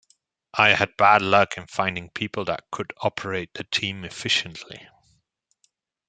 I had bad luck in finding people that could operate the team efficiently.